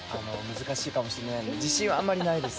難しいかもしれないので自信、あんまりないです。